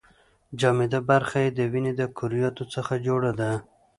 جامده برخه یې د وینې د کرویاتو څخه جوړه ده.